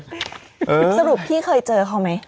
สรุปพี่เคยเจอเขาไหม